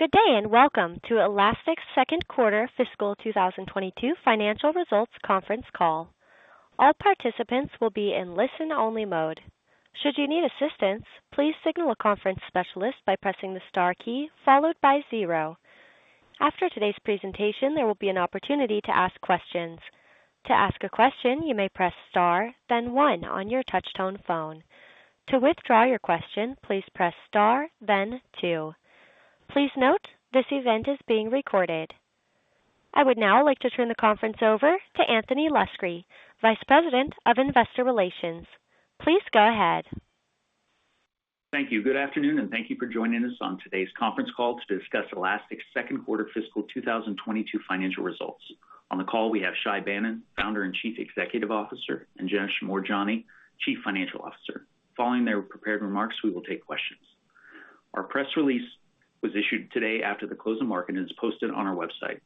Good day, and welcome to Elastic's second quarter fiscal 2022 financial results conference call. All participants will be in listen-only mode. Should you need assistance, please signal a conference specialist by pressing the Star key followed by zero. After today's presentation, there will be an opportunity to ask questions. To ask a question, you may press Star then one on your touchtone phone. To withdraw your question, please press Star then two. Please note, this event is being recorded. I would now like to turn the conference over to Anthony Luscri, Vice President of Investor Relations. Please go ahead. Thank you. Good afternoon, and thank you for joining us on today's conference call to discuss Elastic second quarter fiscal 2022 financial results. On the call we have Shay Banon, Founder and Chief Executive Officer, and Janesh Moorjani, Chief Financial Officer. Following their prepared remarks, we will take questions. Our press release was issued today after the close of market, and is posted on our website.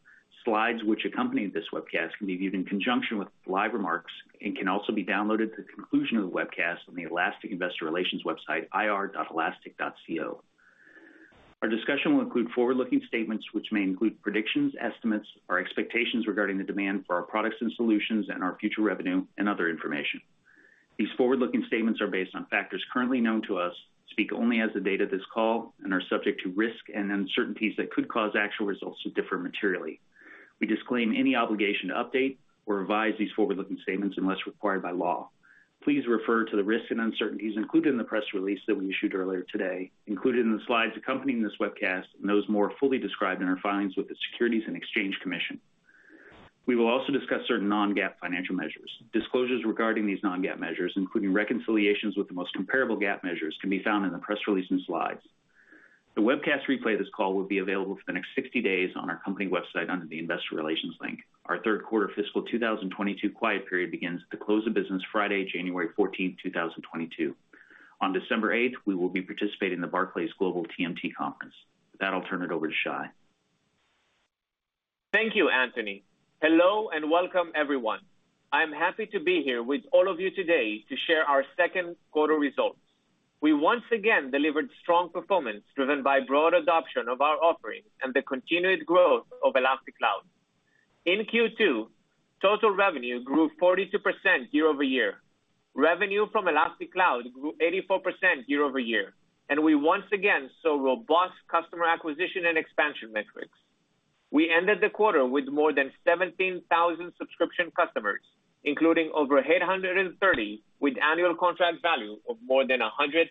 Slides which accompany this webcast can be viewed in conjunction with live remarks and can also be downloaded at the conclusion of the webcast on the Elastic Investor Relations website, ir.elastic.co. Our discussion will include forward-looking statements which may include predictions, estimates, our expectations regarding the demand for our products and solutions and our future revenue and other information. These forward-looking statements are based on factors currently known to us, speak only as of the date of this call and are subject to risks and uncertainties that could cause actual results to differ materially. We disclaim any obligation to update or revise these forward-looking statements unless required by law. Please refer to the risks and uncertainties included in the press release that we issued earlier today, included in the slides accompanying this webcast, and those more fully described in our filings with the Securities and Exchange Commission. We will also discuss certain non-GAAP financial measures. Disclosures regarding these non-GAAP measures, including reconciliations with the most comparable GAAP measures, can be found in the press release and slides. The webcast replay of this call will be available for the next 60 days on our company website under the Investor Relations link. Our third quarter fiscal 2022 quiet period begins at the close of business Friday, January 14, 2022. On December 8, we will be participating in the Barclays Global TMT Conference. With that, I'll turn it over to Shay. Thank you, Anthony. Hello, and welcome everyone. I'm happy to be here with all of you today to share our second quarter results. We once again delivered strong performance driven by broad adoption of our offering and the continued growth of Elastic Cloud. In Q2, total revenue grew 42% year-over-year. Revenue from Elastic Cloud grew 84% year-over-year, and we once again saw robust customer acquisition and expansion metrics. We ended the quarter with more than 17,000 subscription customers, including over 830 with annual contract value of more than $100,000.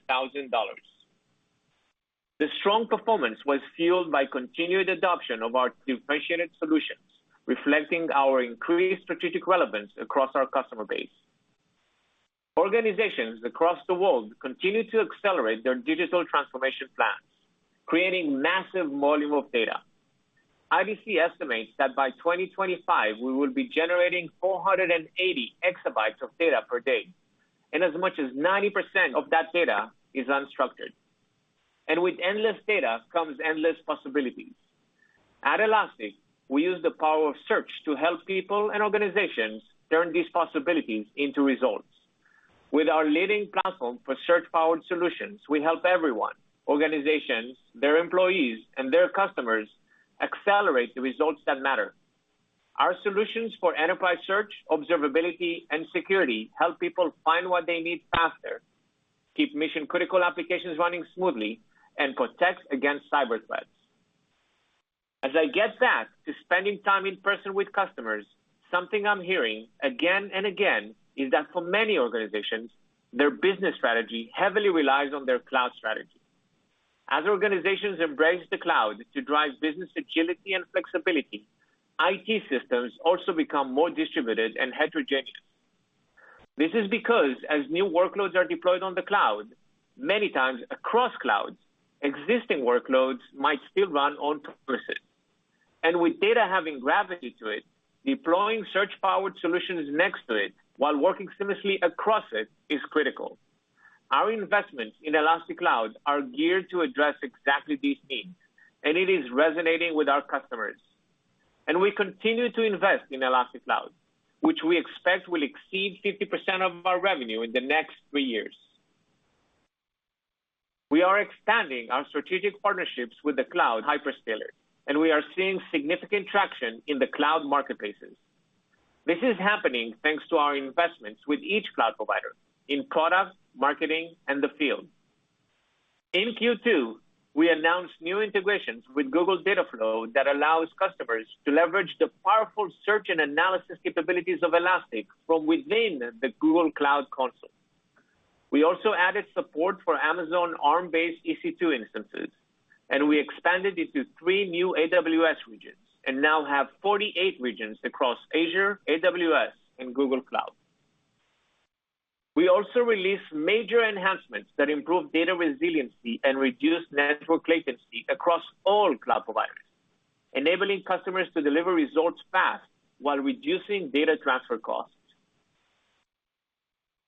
The strong performance was fueled by continued adoption of our differentiated solutions, reflecting our increased strategic relevance across our customer base. Organizations across the world continue to accelerate their digital transformation plans, creating massive volume of data. IDC estimates that by 2025 we will be generating 480 exabytes of data per day, and as much as 90% of that data is unstructured. With endless data comes endless possibilities. At Elastic, we use the power of search to help people and organizations turn these possibilities into results. With our leading platform for search-powered solutions, we help everyone, organizations, their employees, and their customers accelerate the results that matter. Our solutions for enterprise search, observability, and security help people find what they need faster, keep mission-critical applications running smoothly, and protects against cyber threats. As I get back to spending time in person with customers, something I'm hearing again and again is that for many organizations, their business strategy heavily relies on their cloud strategy. As organizations embrace the cloud to drive business agility and flexibility, IT systems also become more distributed and heterogeneous. This is because as new workloads are deployed on the cloud, many times across clouds, existing workloads might still run on-premises. With data having gravity to it, deploying search-powered solutions next to it while working seamlessly across it is critical. Our investments in Elastic Cloud are geared to address exactly these needs, and it is resonating with our customers. We continue to invest in Elastic Cloud, which we expect will exceed 50% of our revenue in the next three years. We are expanding our strategic partnerships with the cloud hyperscalers, and we are seeing significant traction in the cloud marketplaces. This is happening thanks to our investments with each cloud provider in product, marketing, and the field. In Q2, we announced new integrations with Google's Dataflow that allows customers to leverage the powerful search and analysis capabilities of Elastic from within the Google Cloud Console. We also added support for Amazon Arm-based EC2 instances, and we expanded into 3 new AWS regions and now have 48 regions across Azure, AWS, and Google Cloud. We also released major enhancements that improve data resiliency and reduce network latency across all cloud providers, enabling customers to deliver results fast while reducing data transfer costs.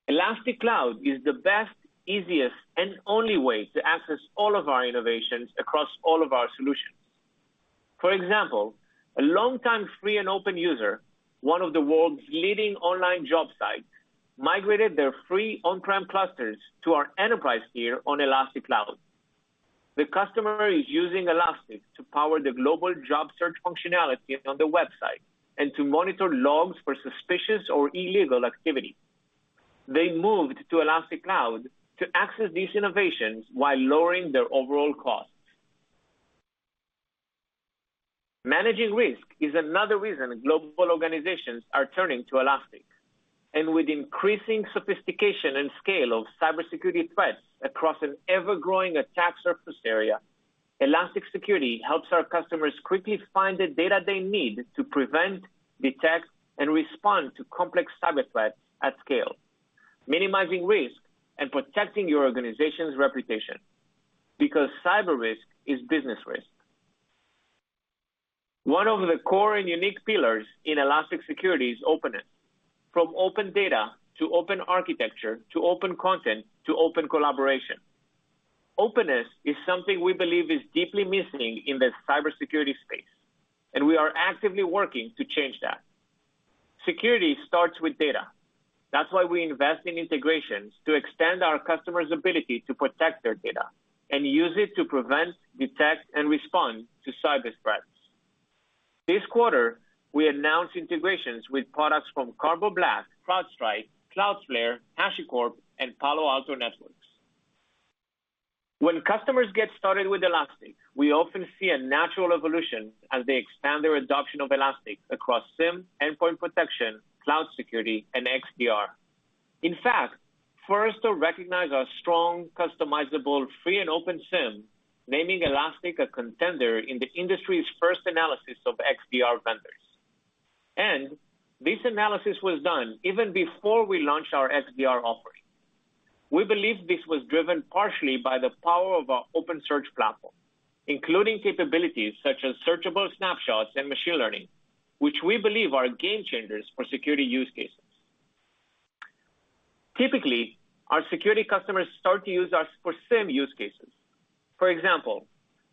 Elastic Cloud is the best, easiest, and only way to access all of our innovations across all of our solutions. For example, a long time free and open user, one of the world's leading online job sites, migrated their free on-prem clusters to our enterprise tier on Elastic Cloud. The customer is using Elastic to power the global job search functionality on the website and to monitor logs for suspicious or illegal activity. They moved to Elastic Cloud to access these innovations while lowering their overall costs. Managing risk is another reason global organizations are turning to Elastic, and with increasing sophistication and scale of cybersecurity threats across an ever-growing attack surface area, Elastic Security helps our customers quickly find the data they need to prevent, detect, and respond to complex cyber threats at scale, minimizing risk and protecting your organization's reputation, because cyber risk is business risk. One of the core and unique pillars in Elastic Security is openness, from open data to open architecture, to open content, to open collaboration. Openness is something we believe is deeply missing in the cybersecurity space, and we are actively working to change that. Security starts with data. That's why we invest in integrations to extend our customers' ability to protect their data and use it to prevent, detect, and respond to cyber threats. This quarter, we announced integrations with products from Carbon Black, CrowdStrike, Cloudflare, HashiCorp, and Palo Alto Networks. When customers get started with Elastic, we often see a natural evolution as they expand their adoption of Elastic across SIEM endpoint protection, cloud security, and XDR. In fact, Forrester recognized our strong, customizable, free and open SIEM, naming Elastic a contender in the industry's first analysis of XDR vendors. This analysis was done even before we launched our XDR offering. We believe this was driven partially by the power of our open search platform, including capabilities such as searchable snapshots and machine learning, which we believe are game changers for security use cases. Typically, our security customers start to use us for SIEM use cases. For example,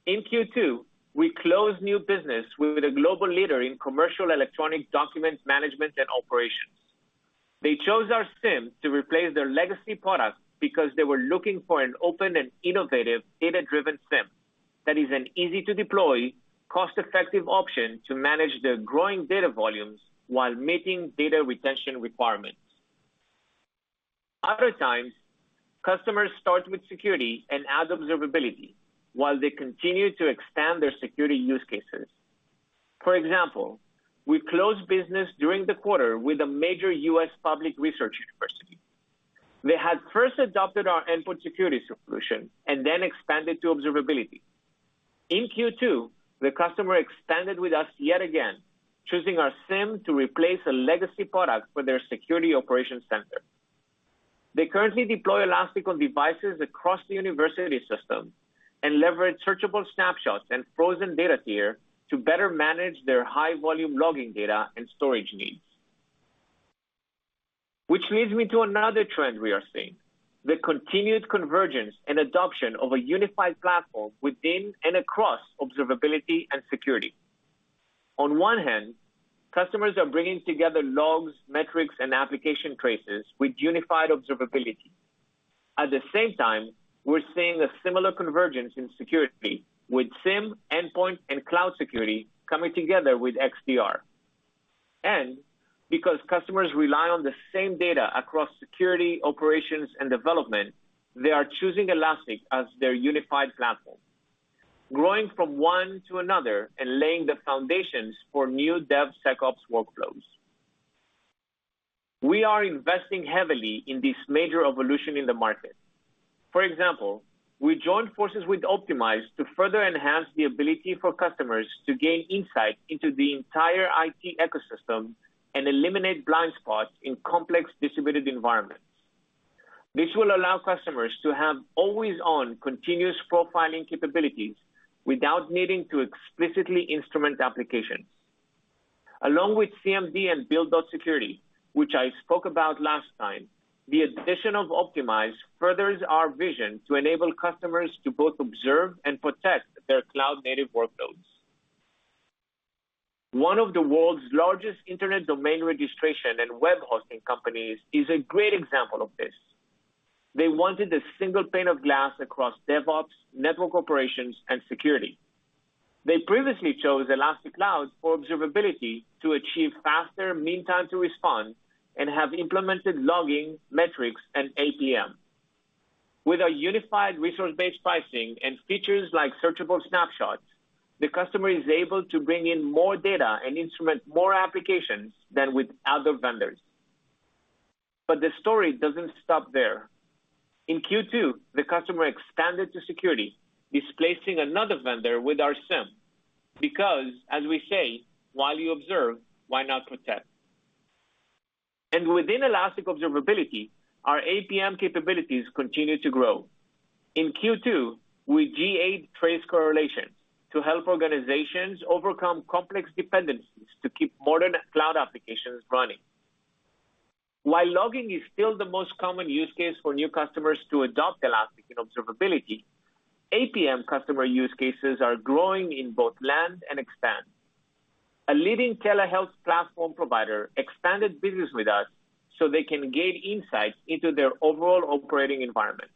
in Q2, we closed new business with a global leader in commercial electronic documents management and operations. They chose our SIEM to replace their legacy product because they were looking for an open and innovative data-driven SIEM that is an easy-to-deploy, cost-effective option to manage their growing data volumes while meeting data retention requirements. Other times, customers start with security and add observability while they continue to expand their security use cases. For example, we closed business during the quarter with a major U.S. public research university. They had first adopted our endpoint security solution and then expanded to observability. In Q2, the customer expanded with us yet again, choosing our SIEM to replace a legacy product for their security operations center. They currently deploy Elastic on devices across the university system and leverage searchable snapshots and frozen data tier to better manage their high volume logging data and storage needs. Which leads me to another trend we are seeing, the continued convergence and adoption of a unified platform within and across observability and security. On one hand, customers are bringing together logs, metrics, and application traces with unified observability. At the same time, we're seeing a similar convergence in security with SIEM endpoint and cloud security coming together with XDR. Because customers rely on the same data across security, operations, and development, they are choosing Elastic as their unified platform, growing from one to another and laying the foundations for new DevSecOps workflows. We are investing heavily in this major evolution in the market. For example, we joined forces with Optimyze to further enhance the ability for customers to gain insight into the entire IT ecosystem and eliminate blind spots in complex distributed environments. This will allow customers to have always-on continuous profiling capabilities without needing to explicitly instrument applications. Along with Cmd and build.security, which I spoke about last time, the addition of Optimyze furthers our vision to enable customers to both observe and protect their cloud-native workloads. One of the world's largest internet domain registration and web hosting companies is a great example of this. They wanted a single pane of glass across DevOps, network operations, and security. They previously chose Elastic Cloud for observability to achieve faster mean time to respond and have implemented logging, metrics, and APM. With our unified resource-based pricing and features like searchable snapshots, the customer is able to bring in more data and instrument more applications than with other vendors. The story doesn't stop there. In Q2, the customer expanded to security, displacing another vendor with our SIEM, because as we say, while you observe, why not protect? Within Elastic Observability, our APM capabilities continue to grow. In Q2, we GA'd trace correlation to help organizations overcome complex dependencies to keep modern cloud applications running. While logging is still the most common use case for new customers to adopt Elastic in observability, APM customer use cases are growing in both land and expand. A leading telehealth platform provider expanded business with us so they can gain insights into their overall operating environment.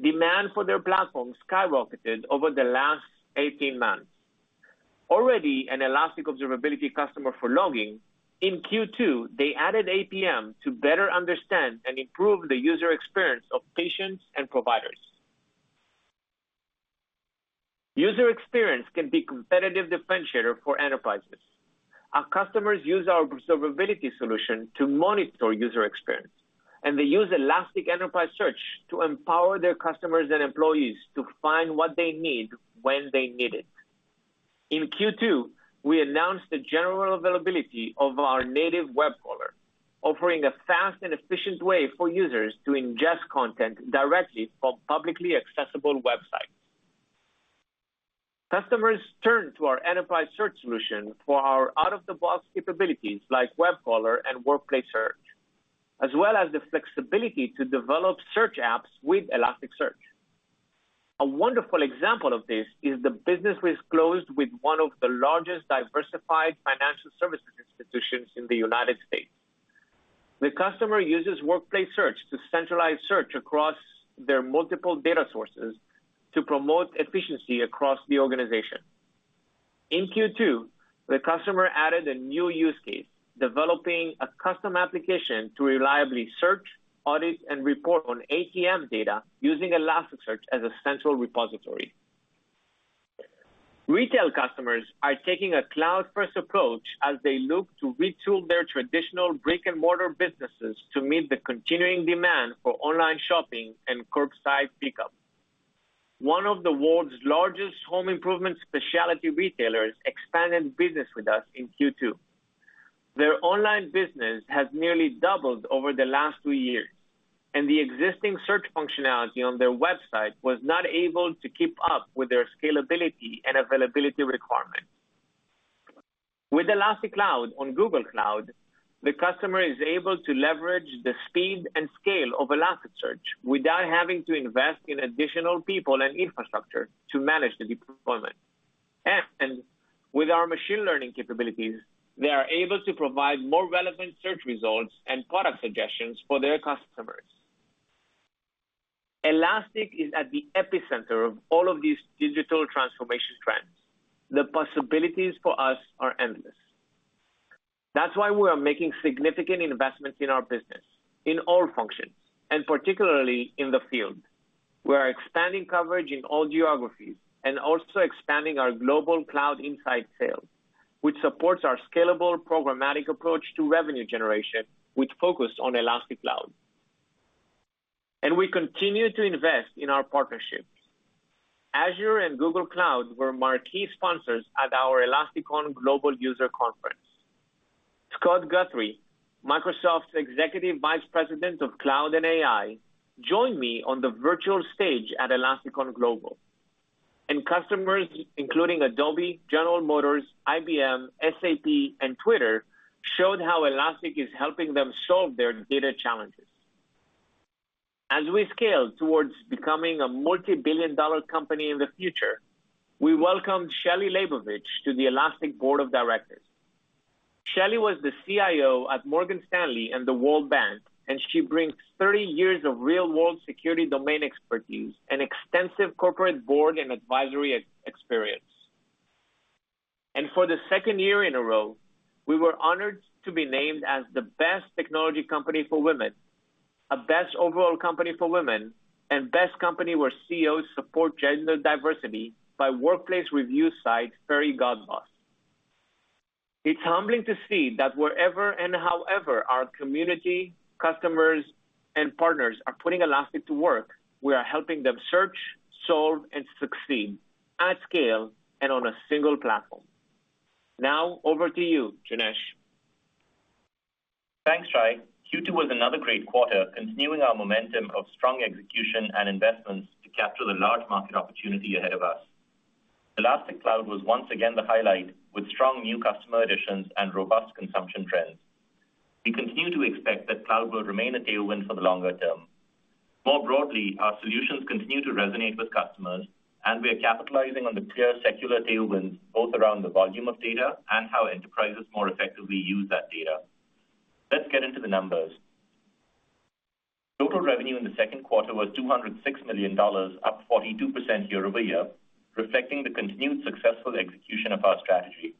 Demand for their platform skyrocketed over the last 18 months. Already an Elastic Observability customer for logging, in Q2, they added APM to better understand and improve the user experience of patients and providers. User experience can be competitive differentiator for enterprises. Our customers use our observability solution to monitor user experience, and they use Elastic Enterprise Search to empower their customers and employees to find what they need when they need it. In Q2, we announced the general availability of our native web crawler, offering a fast and efficient way for users to ingest content directly from publicly accessible websites. Customers turn to our enterprise search solution for our out-of-the-box capabilities like web crawler and Workplace Search, as well as the flexibility to develop search apps with Elasticsearch. A wonderful example of this is the business we closed with one of the largest diversified financial services institutions in the United States. The customer uses Workplace Search to centralize search across their multiple data sources to promote efficiency across the organization. In Q2, the customer added a new use case, developing a custom application to reliably search, audit, and report on ATM data using Elasticsearch as a central repository. Retail customers are taking a cloud-first approach as they look to retool their traditional brick-and-mortar businesses to meet the continuing demand for online shopping and curbside pickup. One of the world's largest home improvement specialty retailers expanded business with us in Q2. Their online business has nearly doubled over the last two years, and the existing search functionality on their website was not able to keep up with their scalability and availability requirements. With Elastic Cloud on Google Cloud, the customer is able to leverage the speed and scale of Elasticsearch without having to invest in additional people and infrastructure to manage the deployment. With our machine learning capabilities, they are able to provide more relevant search results and product suggestions for their customers. Elastic is at the epicenter of all of these digital transformation trends. The possibilities for us are endless. That's why we are making significant investments in our business, in all functions, and particularly in the field. We are expanding coverage in all geographies and also expanding our global cloud inside sales, which supports our scalable programmatic approach to revenue generation, which focus on Elastic Cloud. We continue to invest in our partnerships. Azure and Google Cloud were marquee sponsors at our ElasticON global user conference. Scott Guthrie, Microsoft's Executive Vice President of Cloud and AI, joined me on the virtual stage at ElasticON Global. Customers, including Adobe, General Motors, IBM, SAP, and Twitter, showed how Elastic is helping them solve their data challenges. As we scale towards becoming a multi-billion-dollar company in the future, we welcomed Shelley Leibowitz to the Elastic Board of Directors. Shelley was the CIO at Morgan Stanley and The World Bank, and she brings 30 years of real-world security domain expertise and extensive corporate board and advisory experience. For the second year in a row, we were honored to be named as the best technology company for women, a best overall company for women, and best company where CEOs support gender diversity by workplace review site, Fairygodboss. It's humbling to see that wherever and however our community, customers, and partners are putting Elastic to work, we are helping them search, solve, and succeed at scale and on a single platform. Now over to you, Janesh. Thanks, Shay. Q2 was another great quarter, continuing our momentum of strong execution and investments to capture the large market opportunity ahead of us. Elastic Cloud was once again the highlight with strong new customer additions and robust consumption trends. We continue to expect that cloud will remain a tailwind for the longer term. More broadly, our solutions continue to resonate with customers, and we are capitalizing on the clear secular tailwinds, both around the volume of data and how enterprises more effectively use that data. Let's get into the numbers. Total revenue in the second quarter was $206 million, up 42% year-over-year, reflecting the continued successful execution of our strategy.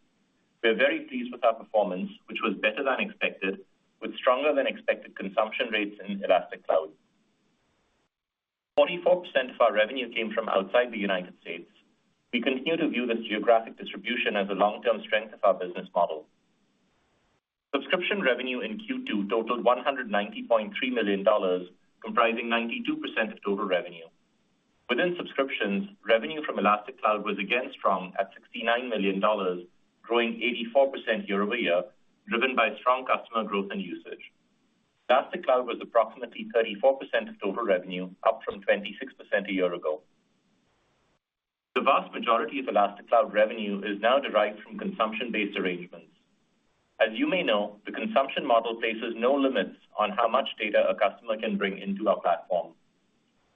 We're very pleased with our performance, which was better than expected, with stronger than expected consumption rates in Elastic Cloud. 44% of our revenue came from outside the United States. We continue to view this geographic distribution as a long-term strength of our business model. Subscription revenue in Q2 totaled $190.3 million, comprising 92% of total revenue. Within subscriptions, revenue from Elastic Cloud was again strong at $69 million, growing 84% year-over-year, driven by strong customer growth and usage. Elastic Cloud was approximately 34% of total revenue, up from 26% a year ago. The vast majority of Elastic Cloud revenue is now derived from consumption-based arrangements. As you may know, the consumption model places no limits on how much data a customer can bring into our platform.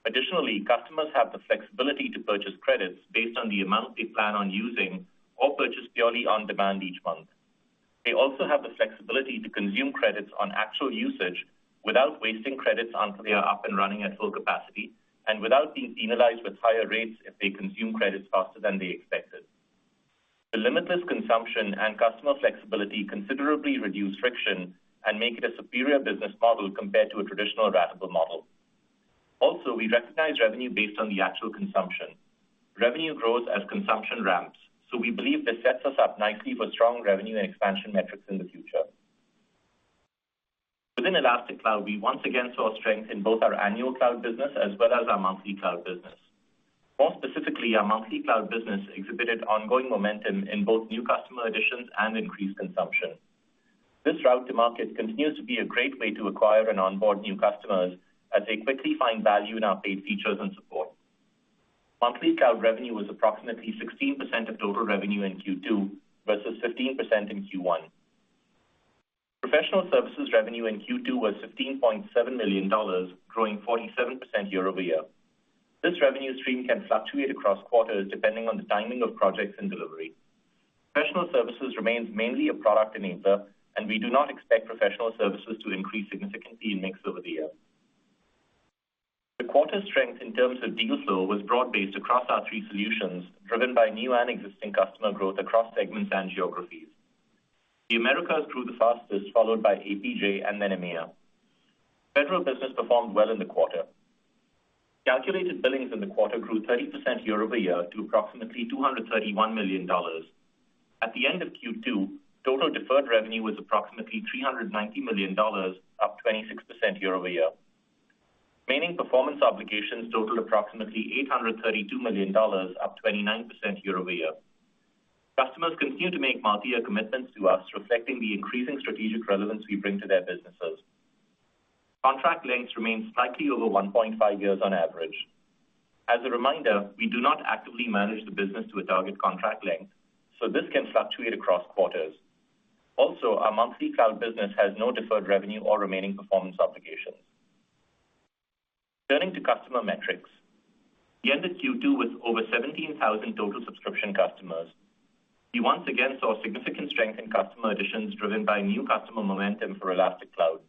Additionally, customers have the flexibility to purchase credits based on the amount they plan on using or purchase purely on demand each month. They also have the flexibility to consume credits on actual usage without wasting credits until they are up and running at full capacity and without being penalized with higher rates if they consume credits faster than they expected. The limitless consumption and customer flexibility considerably reduce friction and make it a superior business model compared to a traditional ratable model. Also, we recognize revenue based on the actual consumption. Revenue grows as consumption ramps, so we believe this sets us up nicely for strong revenue and expansion metrics in the future. Within Elastic Cloud, we once again saw strength in both our annual cloud business as well as our monthly cloud business. More specifically, our monthly cloud business exhibited ongoing momentum in both new customer additions and increased consumption. This route to market continues to be a great way to acquire and onboard new customers as they quickly find value in our paid features and support. Monthly cloud revenue was approximately 16% of total revenue in Q2, versus 15% in Q1. Professional services revenue in Q2 was $15.7 million, growing 47% year-over-year. This revenue stream can fluctuate across quarters depending on the timing of projects and delivery. Professional services remains mainly a product enabler, and we do not expect professional services to increase significantly in mix over the year. The quarter's strength in terms of deal flow was broad-based across our three solutions, driven by new and existing customer growth across segments and geographies. The Americas grew the fastest, followed by APJ and then EMEA. Federal business performed well in the quarter. Calculated billings in the quarter grew 30% year over year to approximately $231 million. At the end of Q2, total deferred revenue was approximately $390 million, up 26% year over year. Remaining performance obligations totaled approximately $832 million, up 29% year over year. Customers continue to make multi-year commitments to us, reflecting the increasing strategic relevance we bring to their businesses. Contract lengths remain slightly over 1.5 years on average. As a reminder, we do not actively manage the business to a target contract length, so this can fluctuate across quarters. Also, our monthly cloud business has no deferred revenue or remaining performance obligations. Turning to customer metrics. We ended Q2 with over 17,000 total subscription customers. We once again saw significant strength in customer additions driven by new customer momentum for Elastic Cloud.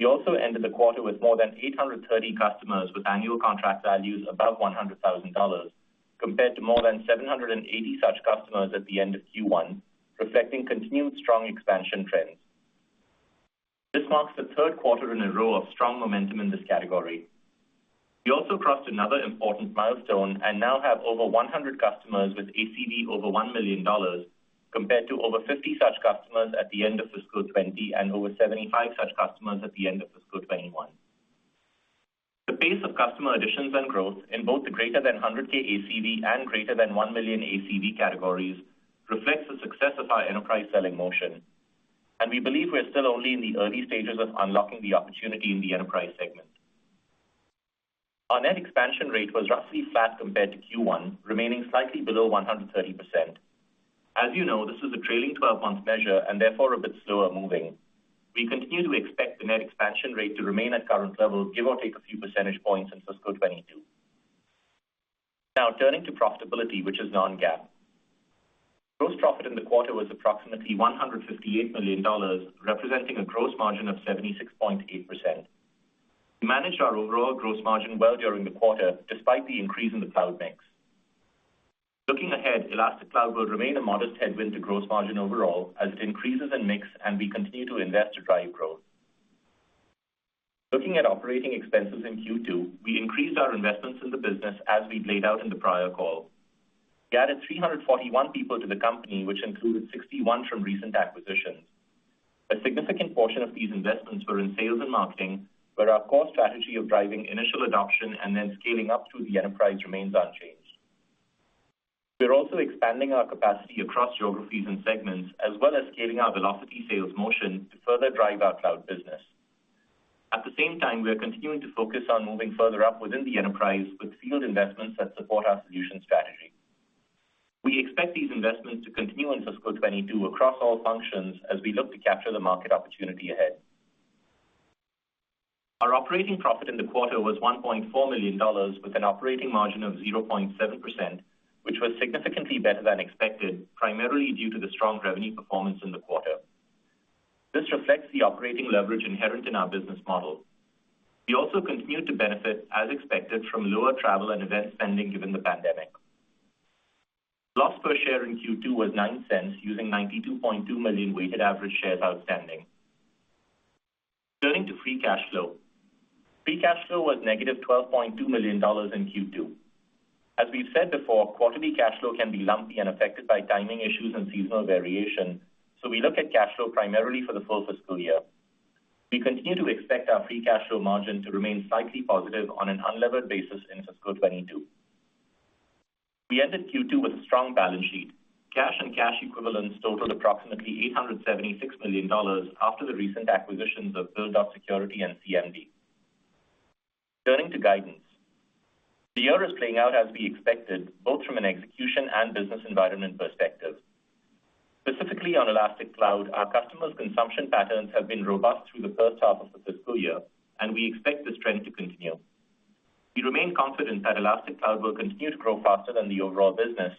We also ended the quarter with more than 830 customers with annual contract values above $100,000, compared to more than 780 such customers at the end of Q1, reflecting continued strong expansion trends. This marks the third quarter in a row of strong momentum in this category. We also crossed another important milestone and now have over 100 customers with ACV over $1 million, compared to over 50 such customers at the end of fiscal 2020 and over 75 such customers at the end of fiscal 2021. The pace of customer additions and growth in both the greater than 100K ACV and greater than $1 million ACV categories reflects the success of our enterprise selling motion, and we believe we are still only in the early stages of unlocking the opportunity in the enterprise segment. Our net expansion rate was roughly flat compared to Q1, remaining slightly below 130%. As you know, this is a trailing twelve-month measure and therefore a bit slower moving. We continue to expect the net expansion rate to remain at current levels, give or take a few percentage points in fiscal 2022. Now turning to profitability, which is non-GAAP. Gross profit in the quarter was approximately $158 million, representing a gross margin of 76.8%. We managed our overall gross margin well during the quarter, despite the increase in the cloud mix. Looking ahead, Elastic Cloud will remain a modest headwind to gross margin overall as it increases in mix and we continue to invest to drive growth. Looking at operating expenses in Q2, we increased our investments in the business as we laid out in the prior call. We added 341 people to the company, which included 61 from recent acquisitions. A significant portion of these investments were in sales and marketing, where our core strategy of driving initial adoption and then scaling up through the enterprise remains unchanged. We're also expanding our capacity across geographies and segments, as well as scaling our velocity sales motion to further drive our cloud business. At the same time, we are continuing to focus on moving further up within the enterprise with field investments that support our solution strategy. We expect these investments to continue in fiscal 2022 across all functions as we look to capture the market opportunity ahead. Our operating profit in the quarter was $1.4 million with an operating margin of 0.7%, which was significantly better than expected, primarily due to the strong revenue performance in the quarter. This reflects the operating leverage inherent in our business model. We also continued to benefit, as expected, from lower travel and event spending given the pandemic. Loss per share in Q2 was $0.09, using 92.2 million weighted average shares outstanding. Turning to free cash flow. Free cash flow was negative $12.2 million in Q2. As we've said before, quarterly cash flow can be lumpy and affected by timing issues and seasonal variation, so we look at cash flow primarily for the full fiscal year. We continue to expect our free cash flow margin to remain slightly positive on an unlevered basis in fiscal 2022. We ended Q2 with a strong balance sheet. Cash and cash equivalents totaled approximately $876 million after the recent acquisitions of build.security and Cmd. Turning to guidance. The year is playing out as we expected, both from an execution and business environment perspective. Specifically on Elastic Cloud, our customers' consumption patterns have been robust through the first half of the fiscal year, and we expect this trend to continue. We remain confident that Elastic Cloud will continue to grow faster than the overall business,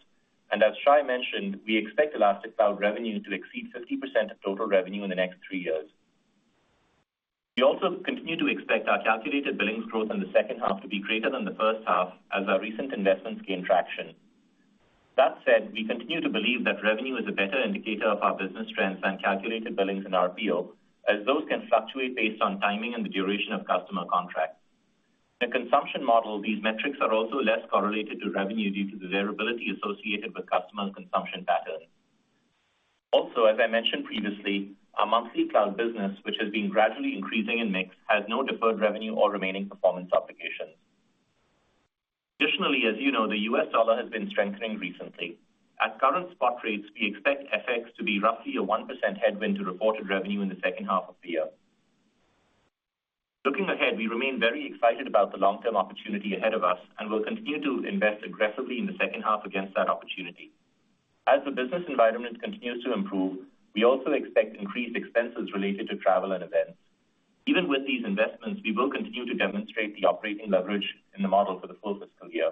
and as Shay mentioned, we expect Elastic Cloud revenue to exceed 50% of total revenue in the next three years. We also continue to expect our calculated billings growth in the second half to be greater than the first half as our recent investments gain traction. That said, we continue to believe that revenue is a better indicator of our business trends than calculated billings in our field, as those can fluctuate based on timing and the duration of customer contracts. In a consumption model, these metrics are also less correlated to revenue due to the variability associated with customers' consumption patterns. Also, as I mentioned previously, our monthly Cloud business, which has been gradually increasing in mix, has no deferred revenue or remaining performance obligations. Additionally, as you know, the US dollar has been strengthening recently. At current spot rates, we expect FX to be roughly a 1% headwind to reported revenue in the second half of the year. Looking ahead, we remain very excited about the long-term opportunity ahead of us, and we'll continue to invest aggressively in the second half against that opportunity. As the business environment continues to improve, we also expect increased expenses related to travel and events. Even with these investments, we will continue to demonstrate the operating leverage in the model for the full fiscal year.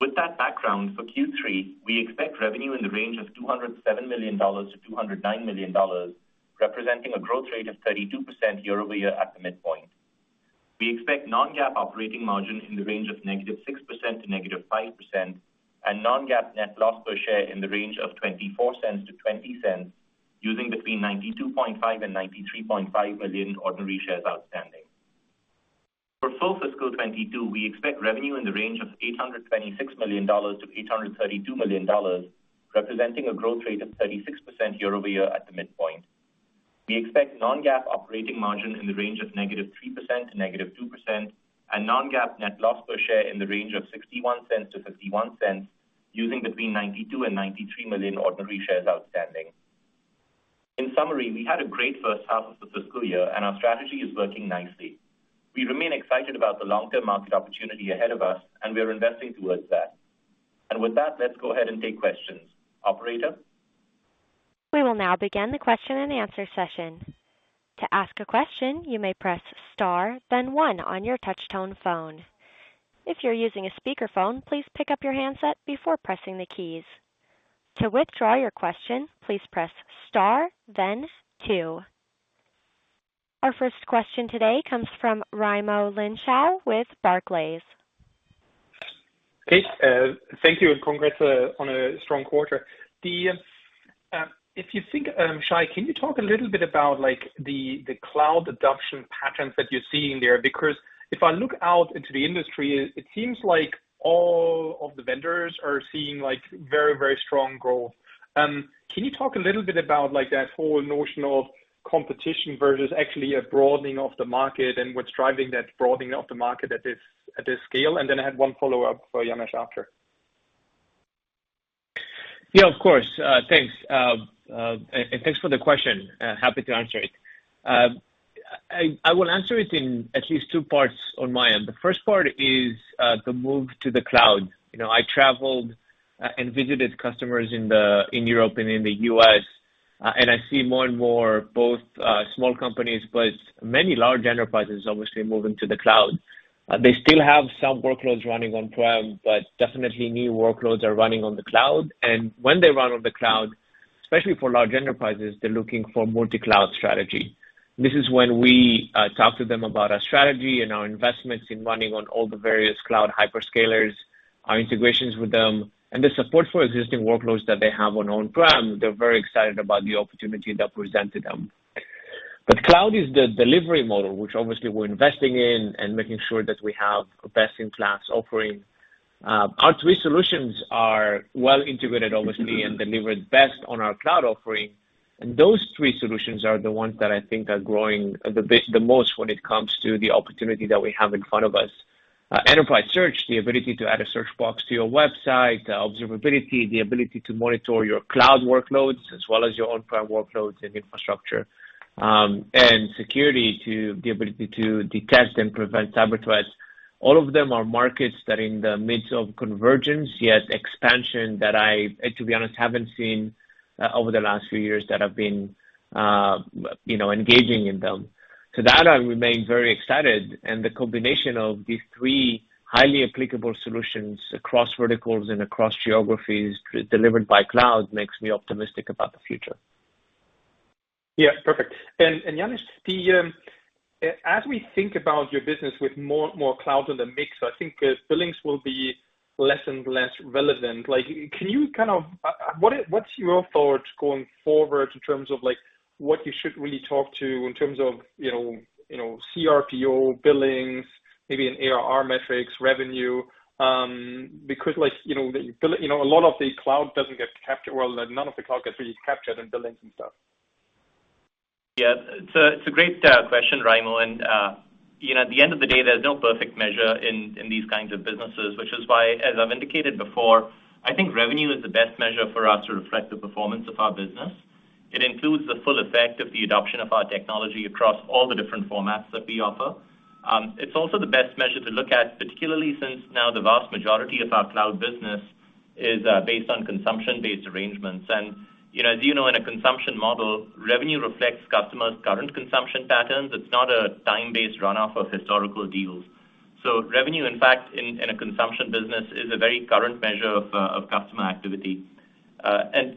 With that background, for Q3, we expect revenue in the range of $207 million-$209 million, representing a growth rate of 32% year-over-year at the midpoint. We expect non-GAAP operating margin in the range of -6% to -5% and non-GAAP net loss per share in the range of $0.24-$0.20, using between 92.5 and 93.5 million ordinary shares outstanding. For full fiscal 2022, we expect revenue in the range of $826 million-$832 million, representing a growth rate of 36% year-over-year at the midpoint. We expect non-GAAP operating margin in the range of -3% to -2% and non-GAAP net loss per share in the range of $0.61-$0.51, using between 92 and 93 million ordinary shares outstanding. In summary, we had a great first half of the fiscal year and our strategy is working nicely. We remain excited about the long-term market opportunity ahead of us and we are investing towards that. With that, let's go ahead and take questions. Operator? We will now begin the question and answer session. To ask a question, you may press star then one on your touch tone phone. If you're using a speaker phone, please pick up your handset before pressing the keys. To withdraw your question, please press star then two. Our first question today comes from Raimo Lenschow with Barclays. Okay, thank you, and congrats on a strong quarter. If you think, Shay, can you talk a little bit about like the cloud adoption patterns that you're seeing there? Because if I look out into the industry, it seems like all of the vendors are seeing like very, very strong growth. Can you talk a little bit about like that whole notion of competition versus actually a broadening of the market and what's driving that broadening of the market at this scale? I had one follow-up for Janesh after. Yeah, of course. Thanks. And thanks for the question. Happy to answer it. I will answer it in at least two parts on my end. The first part is the move to the cloud. You know, I traveled and visited customers in Europe and in the U.S., and I see more and more both small companies, but many large enterprises obviously moving to the cloud. They still have some workloads running on-prem, but definitely new workloads are running on the cloud. When they run on the cloud, especially for large enterprises, they're looking for multi-cloud strategy. This is when we talk to them about our strategy and our investments in running on all the various cloud hyperscalers, our integrations with them, and the support for existing workloads that they have on-prem. They're very excited about the opportunity that we present to them. Cloud is the delivery model, which obviously we're investing in and making sure that we have a best-in-class offering. Our three solutions are well integrated obviously and delivered best on our cloud offering. Those three solutions are the ones that I think are growing the most when it comes to the opportunity that we have in front of us. Enterprise search, the ability to add a search box to your website, observability, the ability to monitor your cloud workloads as well as your on-prem workloads and infrastructure, and security, the ability to detect and prevent cyber threats. All of them are markets that are in the midst of convergence, yet expansion that I, to be honest, haven't seen over the last few years that I've been, you know, engaging in them. To that, I remain very excited, and the combination of these three highly applicable solutions across verticals and across geographies delivered by cloud makes me optimistic about the future. Yeah, perfect. Janesh, as we think about your business with more and more cloud in the mix, I think billings will be less and less relevant. What's your thoughts going forward in terms of like what you should really talk to in terms of, you know, CRPO, billings, maybe an ARR metrics, revenue? Because like, you know, a lot of the cloud doesn't get captured. Well, none of the cloud gets really captured in billings and stuff. Yeah. It's a great question, Raimo. You know, at the end of the day, there's no perfect measure in these kinds of businesses, which is why, as I've indicated before, I think revenue is the best measure for us to reflect the performance of our business. It includes the full effect of the adoption of our technology across all the different formats that we offer. It's also the best measure to look at, particularly since now the vast majority of our cloud business is based on consumption-based arrangements. You know, as you know, in a consumption model, revenue reflects customers' current consumption patterns. It's not a time-based runoff of historical deals. So revenue, in fact, in a consumption business is a very current measure of customer activity.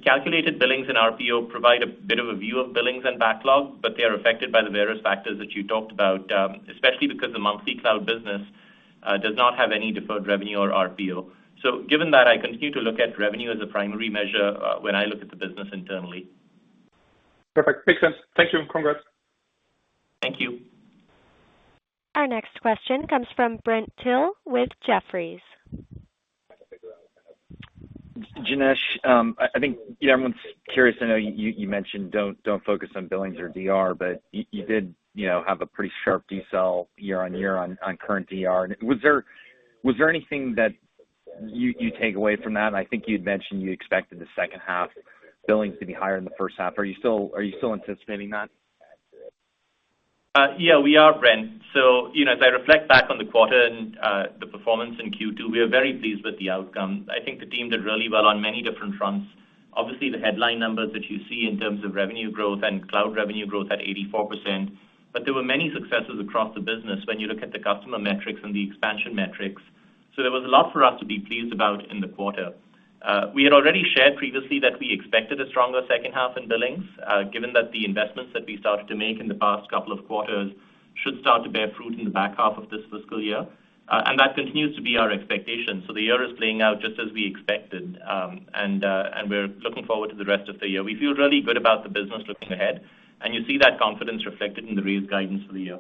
Calculated billings and RPO provide a bit of a view of billings and backlog, but they are affected by the various factors that you talked about, especially because the monthly cloud business does not have any deferred revenue or RPO. Given that, I continue to look at revenue as a primary measure when I look at the business internally. Perfect. Makes sense. Thank you, and congrats. Thank you. Our next question comes from Brent Thill with Jefferies. Janesh, I think, you know, everyone's curious. I know you mentioned don't focus on billings or DR, but you did, you know, have a pretty sharp decel year-on-year on current DR. Was there anything that you take away from that? I think you'd mentioned you expected the second half billings to be higher in the first half. Are you still anticipating that? Yeah, we are, Brent. You know, as I reflect back on the quarter and the performance in Q2, we are very pleased with the outcome. I think the team did really well on many different fronts. Obviously, the headline numbers that you see in terms of revenue growth and cloud revenue growth at 84%, but there were many successes across the business when you look at the customer metrics and the expansion metrics. There was a lot for us to be pleased about in the quarter. We had already shared previously that we expected a stronger second half in billings, given that the investments that we started to make in the past couple of quarters should start to bear fruit in the back half of this fiscal year. That continues to be our expectation. The year is playing out just as we expected. We're looking forward to the rest of the year. We feel really good about the business looking ahead, and you see that confidence reflected in the raised guidance for the year.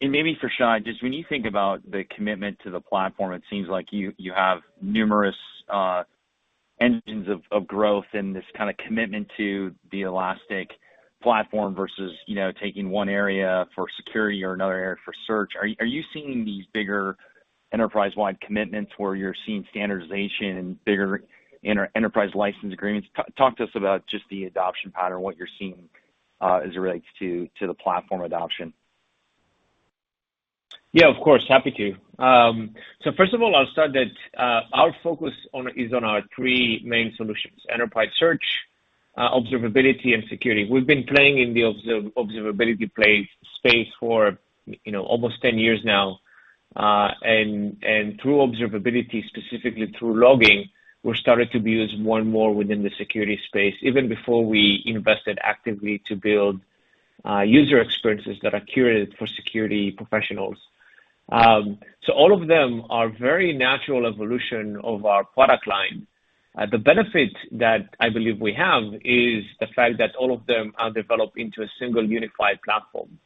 Maybe for Shay, just when you think about the commitment to the platform, it seems like you have numerous engines of growth and this kinda commitment to the Elastic platform versus, you know, taking one area for security or another area for search. Are you seeing these bigger enterprise-wide commitments where you're seeing standardization and bigger enterprise license agreements? Talk to us about just the adoption pattern, what you're seeing, as it relates to the platform adoption. Yeah, of course. Happy to. First of all, our focus is on our three main solutions: Enterprise Search, Observability and Security. We've been playing in the observability space for, you know, almost 10 years now. Through observability, specifically through logging, we started to be used more and more within the security space, even before we invested actively to build user experiences that are curated for security professionals. All of them are very natural evolution of our product line. The benefit that I believe we have is the fact that all of them are developed into a single unified platform.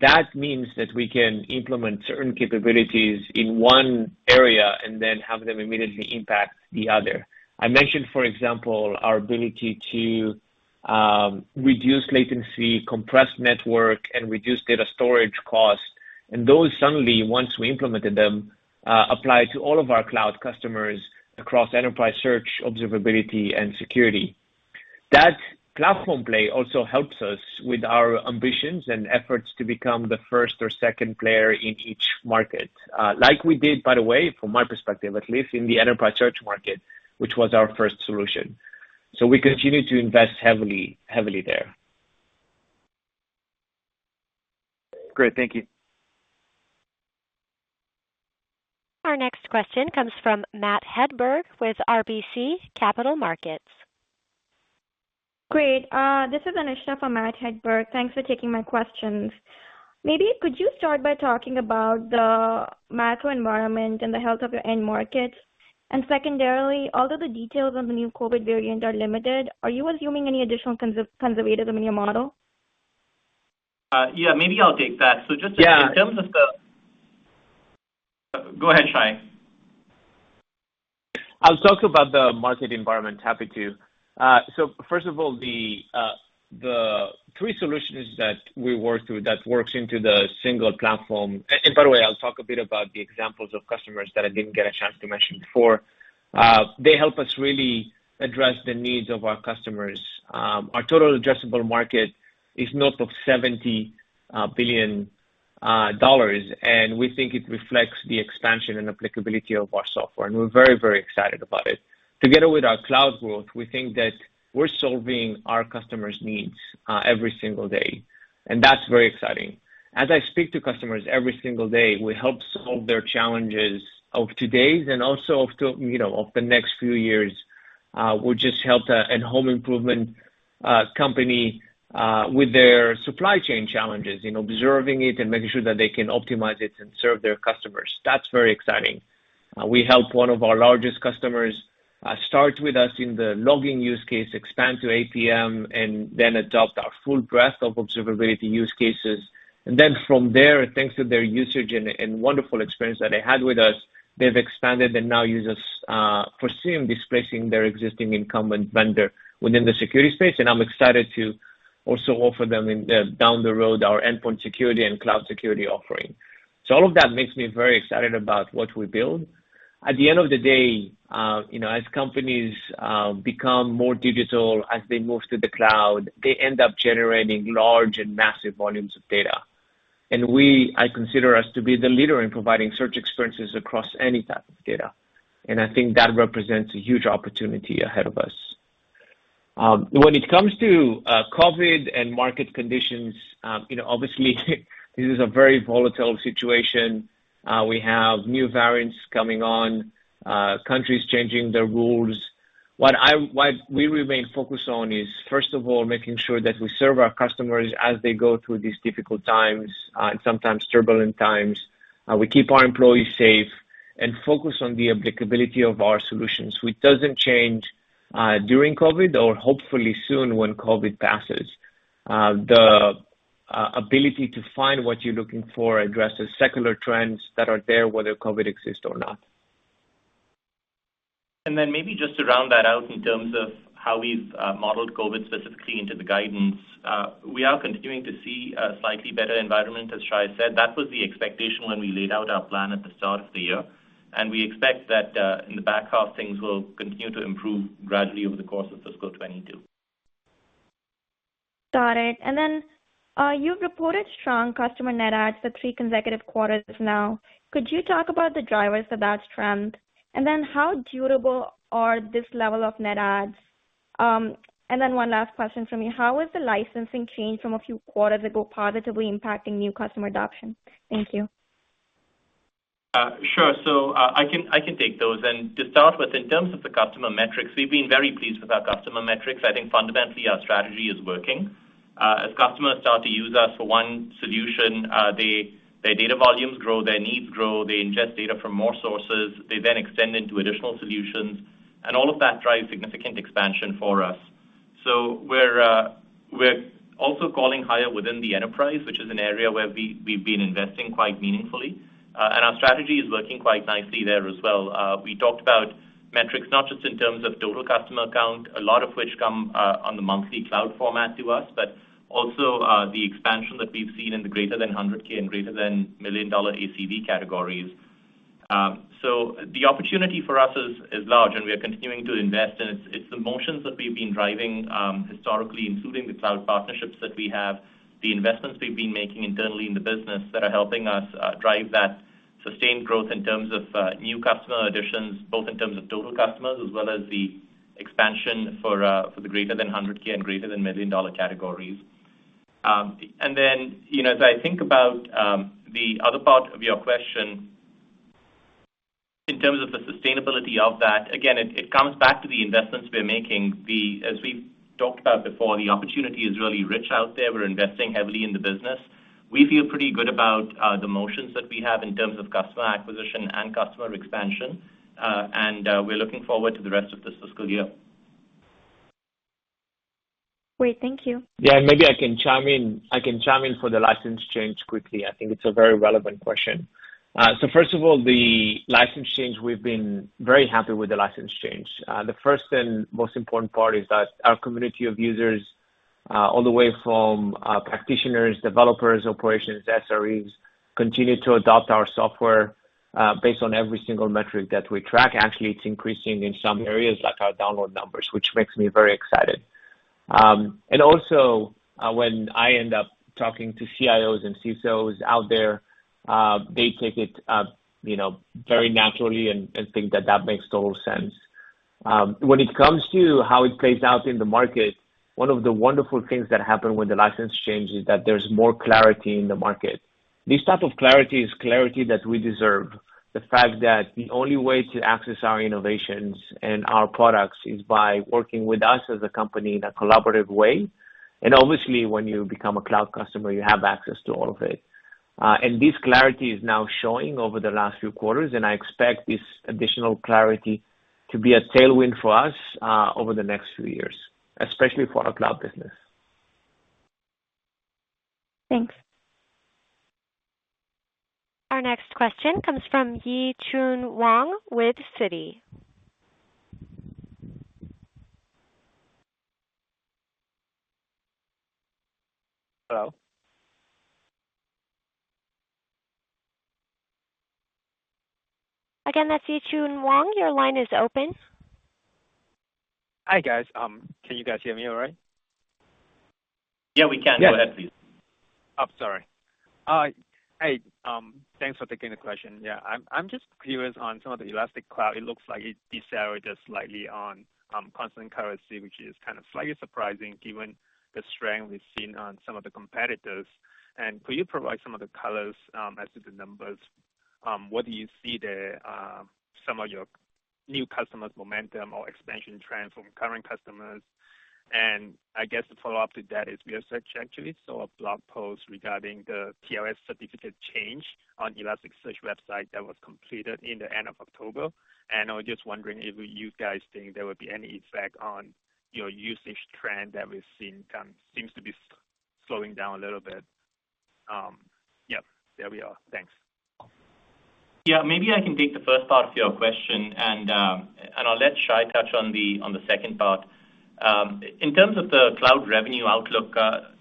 That means that we can implement certain capabilities in one area and then have them immediately impact the other. I mentioned, for example, our ability to reduce latency, compress network and reduce data storage costs. Those suddenly, once we implemented them, apply to all of our cloud customers across enterprise search, observability and security. That platform play also helps us with our ambitions and efforts to become the first or second player in each market, like we did, by the way, from my perspective, at least in the enterprise search market, which was our first solution. We continue to invest heavily there. Great. Thank you. Our next question comes from Matt Hedberg with RBC Capital Markets. Great. This is Anisha for Matt Hedberg. Thanks for taking my questions. Maybe could you start by talking about the macro environment and the health of your end markets? Secondarily, although the details on the new COVID variant are limited, are you assuming any additional conservatism in your model? Yeah, maybe I'll take that. Yeah. Go ahead, Shay. I'll talk about the market environment. Happy to. So first of all, the three solutions that we work through that works into the single platform, and by the way, I'll talk a bit about the examples of customers that I didn't get a chance to mention before. They help us really address the needs of our customers. Our total addressable market is north of $70 billion, and we think it reflects the expansion and applicability of our software, and we're very, very excited about it. Together with our cloud growth, we think that we're solving our customers' needs every single day, and that's very exciting. As I speak to customers every single day, we help solve their challenges of today and also of, you know, the next few years. We just helped a home improvement company with their supply chain challenges in observing it and making sure that they can optimize it and serve their customers. That's very exciting. We help one of our largest customers start with us in the logging use case, expand to APM, and then adopt our full breadth of observability use cases. Then from there, thanks to their usage and wonderful experience that they had with us, they've expanded and now use us for SIEM displacing their existing incumbent vendor within the security space. I'm excited to offer them down the road our endpoint security and cloud security offering. All of that makes me very excited about what we build. At the end of the day, you know, as companies become more digital, as they move to the cloud, they end up generating large and massive volumes of data. I consider us to be the leader in providing search experiences across any type of data. I think that represents a huge opportunity ahead of us. When it comes to COVID and market conditions, you know, obviously this is a very volatile situation. We have new variants coming on, countries changing their rules. What we remain focused on is, first of all, making sure that we serve our customers as they go through these difficult times, and sometimes turbulent times. We keep our employees safe and focus on the applicability of our solutions, which doesn't change during COVID or hopefully soon when COVID passes. The ability to find what you're looking for addresses secular trends that are there, whether COVID exists or not. Maybe just to round that out in terms of how we've modeled COVID specifically into the guidance. We are continuing to see a slightly better environment, as Shay said. That was the expectation when we laid out our plan at the start of the year. We expect that in the back half, things will continue to improve gradually over the course of fiscal 2022. Got it. You've reported strong customer net adds for three consecutive quarters now. Could you talk about the drivers for that trend? How durable are this level of net adds? One last question from me: How is the licensing change from a few quarters ago positively impacting new customer adoption? Thank you. Sure. I can take those. To start with, in terms of the customer metrics, we've been very pleased with our customer metrics. I think fundamentally our strategy is working. As customers start to use us for one solution, they, their data volumes grow, their needs grow, they ingest data from more sources, they then extend into additional solutions. All of that drives significant expansion for us. We're also calling higher within the enterprise, which is an area where we've been investing quite meaningfully. Our strategy is working quite nicely there as well. We talked about metrics, not just in terms of total customer count, a lot of which come on the monthly cloud format to us, but also the expansion that we've seen in the greater than $100K and greater than $1 million ACV categories. The opportunity for us is large, and we are continuing to invest. It's the motions that we've been driving historically, including the cloud partnerships that we have, the investments we've been making internally in the business that are helping us drive that sustained growth in terms of new customer additions, both in terms of total customers as well as the expansion for the greater than $100K and greater than $1 million categories. You know, as I think about the other part of your question in terms of the sustainability of that, again, it comes back to the investments we're making. As we've talked about before, the opportunity is really rich out there. We're investing heavily in the business. We feel pretty good about the motions that we have in terms of customer acquisition and customer expansion. We're looking forward to the rest of this fiscal year. Great. Thank you. Yeah. Maybe I can chime in for the license change quickly. I think it's a very relevant question. First of all, the license change, we've been very happy with the license change. The first and most important part is that our community of users, all the way from practitioners, developers, operations, SREs, continue to adopt our software based on every single metric that we track. Actually, it's increasing in some areas like our download numbers, which makes me very excited. When I end up talking to CIOs and CSOs out there, they take it, you know, very naturally and think that that makes total sense. When it comes to how it plays out in the market, one of the wonderful things that happen when the license changes, that there's more clarity in the market. This type of clarity is clarity that we deserve. The fact that the only way to access our innovations and our products is by working with us as a company in a collaborative way. Obviously, when you become a cloud customer, you have access to all of it. This clarity is now showing over the last few quarters, and I expect this additional clarity to be a tailwind for us, over the next few years, especially for our cloud business. Thanks. Our next question comes from Tyler Radke with Citi. Hello? Again, that's Tyler Radke. Your line is open. Hi, guys. Can you guys hear me all right? Yeah, we can. Go ahead, please. Hey, thanks for taking the question. Yeah. I'm just curious on some of the Elastic Cloud. It looks like it decelerated slightly on constant currency, which is kind of slightly surprising given the strength we've seen on some of the competitors. Could you provide some of the colors as to the numbers? What do you see, some of your new customers' momentum or expansion trends from current customers? I guess the follow-up to that is Workplace Search actually saw a blog post regarding the TLS certificate change on elasticsearch website that was completed in the end of October. I was just wondering if you guys think there would be any effect on your usage trend that we've seen seems to be slowing down a little bit. Thanks. Yeah, maybe I can take the first part of your question and I'll let Shay touch on the second part. In terms of the cloud revenue outlook,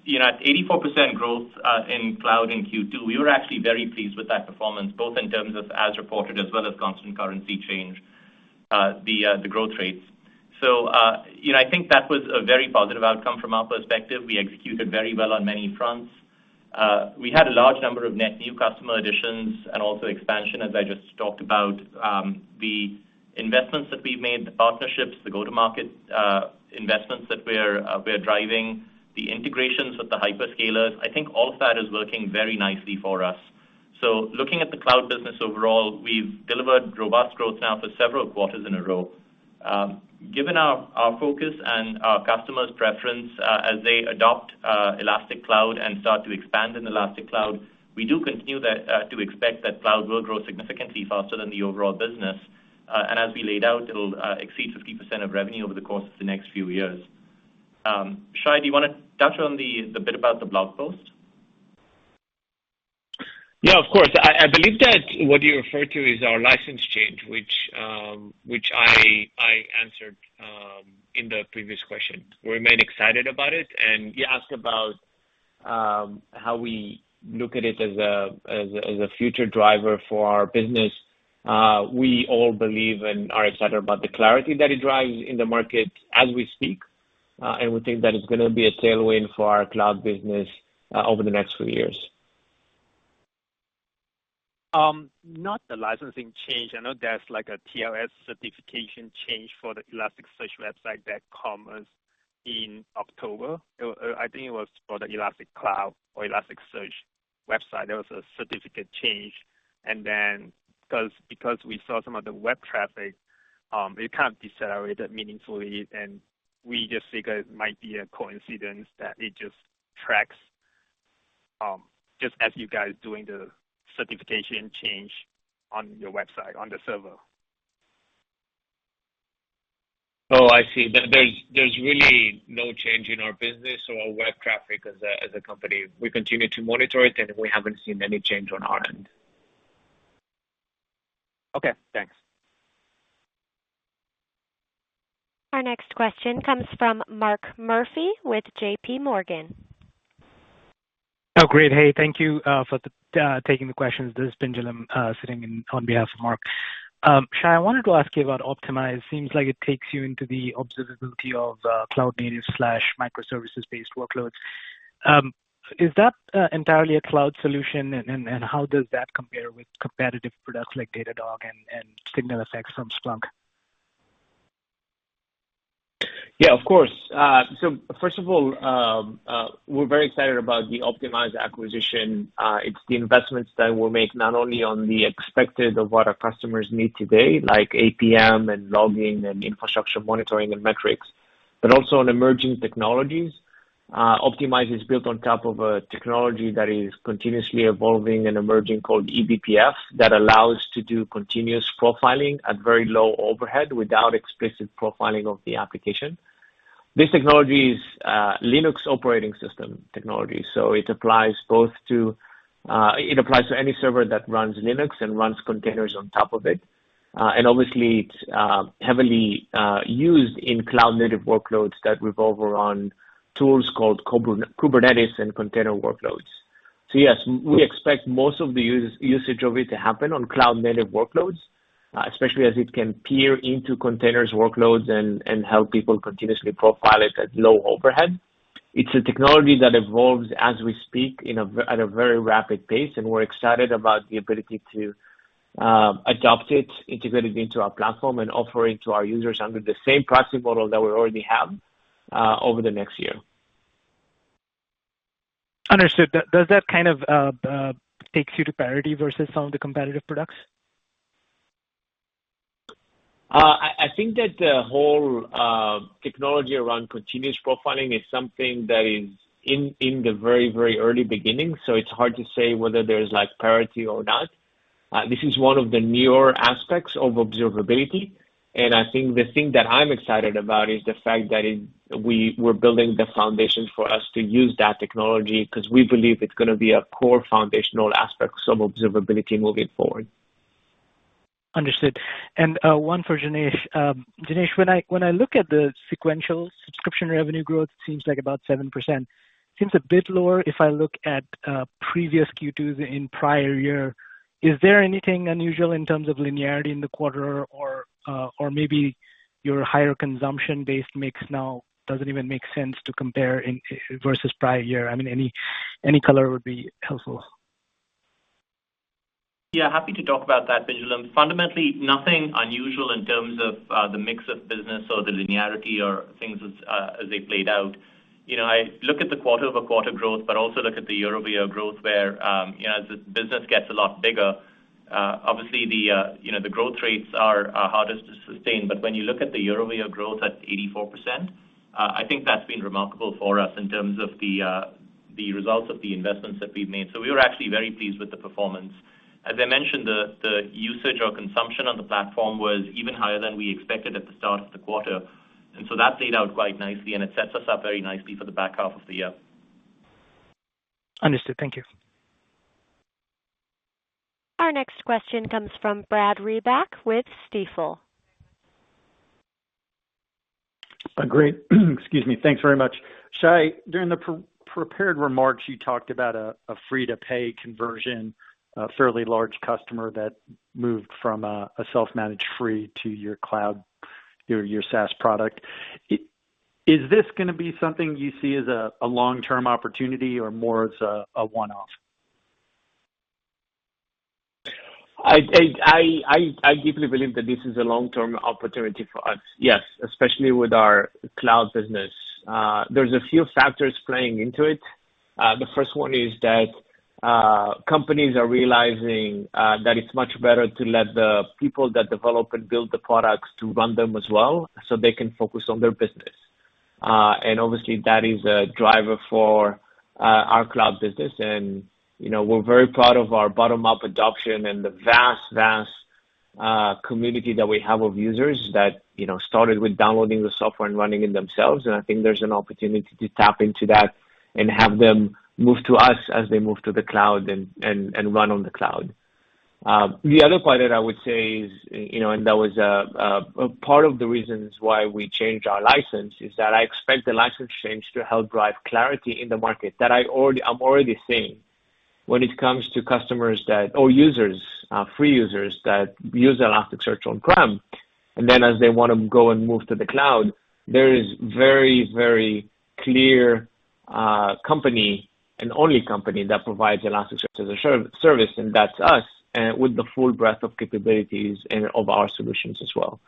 you know, at 84% growth in cloud in Q2, we were actually very pleased with that performance, both in terms of as reported as well as constant currency change, the growth rates. You know, I think that was a very positive outcome from our perspective. We executed very well on many fronts. We had a large number of net new customer additions and also expansion, as I just talked about. The investments that we've made, the partnerships, the go-to-market investments that we're driving, the integrations with the hyperscalers, I think all of that is working very nicely for us. Looking at the cloud business overall, we've delivered robust growth now for several quarters in a row. Given our focus and our customers' preference, as they adopt Elastic Cloud and start to expand in Elastic Cloud, we do continue to expect that cloud will grow significantly faster than the overall business. As we laid out, it'll exceed 50% of revenue over the course of the next few years. Shay, do you wanna touch on the bit about the blog post? Yeah, of course. I believe that what you refer to is our license change, which I answered in the previous question. We remain excited about it. You asked about how we look at it as a future driver for our business. We all believe and are excited about the clarity that it drives in the market as we speak, and we think that it's gonna be a tailwind for our cloud business over the next few years. Not the licensing change. I know there's like a TLS certification change for the Elasticsearch website that comes in October. I think it was for the Elastic Cloud or Elasticsearch website. There was a certificate change. Because we saw some of the web traffic, it kind of decelerated meaningfully, and we just figure it might be a coincidence that it just tracks just as you guys doing the certification change on your website, on the server. Oh, I see. There's really no change in our business or web traffic as a company. We continue to monitor it, and we haven't seen any change on our end. Okay, thanks. Our next question comes from Mark Murphy with J.P. Morgan. Oh, great. Hey, thank you for taking the questions. This Pinjalim Bora, sitting in on behalf of Mark. Shay, I wanted to ask you about Optimyze. Seems like it takes you into the observability of cloud native/microservices-based workloads. Is that entirely a cloud solution? And how does that compare with competitive products like Datadog and SignalFx from Splunk? Yeah, of course. First of all, we're very excited about the Optimyze acquisition. It's the investments that we'll make not only on the expectations of what our customers need today, like APM and logging and infrastructure monitoring and metrics, but also on emerging technologies. Optimyze is built on top of a technology that is continuously evolving and emerging called eBPF that allows to do continuous profiling at very low overhead without explicit profiling of the application. This technology is Linux operating system technology, so it applies to any server that runs Linux and runs containers on top of it. Obviously it's heavily used in cloud native workloads that revolve around tools called Kubernetes and container workloads. Yes, we expect most of the usage of it to happen on cloud native workloads, especially as it can peer into containers workloads and help people continuously profile it at low overhead. It's a technology that evolves as we speak at a very rapid pace, and we're excited about the ability to adopt it, integrate it into our platform and offer it to our users under the same pricing model that we already have over the next year. Understood. Does that kind of take you to parity versus some of the competitive products? I think that the whole technology around continuous profiling is something that is in the very early beginning, so it's hard to say whether there's like parity or not. This is one of the newer aspects of observability, and I think the thing that I'm excited about is the fact that we're building the foundation for us to use that technology 'cause we believe it's gonna be a core foundational aspects of observability moving forward. Understood. One for Janesh. Janesh, when I look at the sequential subscription revenue growth, it seems like about 7%. Seems a bit lower if I look at previous Q2s in prior year. Is there anything unusual in terms of linearity in the quarter or or maybe your higher consumption-based mix now doesn't even make sense to compare in versus prior year? I mean, any color would be helpful. Yeah, happy to talk about that, Pinjalim. Fundamentally, nothing unusual in terms of the mix of business or the linearity or things as they played out. You know, I look at the quarter-over-quarter growth, but also look at the year-over-year growth where you know, as the business gets a lot bigger, obviously the growth rates are hardest to sustain. When you look at the year-over-year growth at 84%, I think that's been remarkable for us in terms of the results of the investments that we've made. We're actually very pleased with the performance. As I mentioned, the usage or consumption on the platform was even higher than we expected at the start of the quarter. That played out quite nicely, and it sets us up very nicely for the back half of the year. Understood. Thank you. Our next question comes from Brad Reback with Stifel. Great. Excuse me. Thanks very much. Shay, during the pre-prepared remarks, you talked about a free to pay conversion, a fairly large customer that moved from a self-managed free to your cloud, your SaaS product. Is this gonna be something you see as a long-term opportunity or more as a one-off? I deeply believe that this is a long-term opportunity for us. Yes, especially with our cloud business. There's a few factors playing into it. The first one is that, companies are realizing, that it's much better to let the people that develop and build the products to run them as well, so they can focus on their business. Obviously, that is a driver for, our cloud business. You know, we're very proud of our bottom-up adoption and the vast community that we have of users that, you know, started with downloading the software and running it themselves. I think there's an opportunity to tap into that and have them move to us as they move to the cloud and run on the cloud. The other part that I would say is, you know, that was a part of the reasons why we changed our license, is that I expect the license change to help drive clarity in the market that I'm already seeing when it comes to customers that, or users, free users that use Elasticsearch on-prem. Then as they wanna go and move to the cloud, there is very, very clear company and only company that provides Elasticsearch as a service, and that's us with the full breadth of capabilities and of our solutions as well.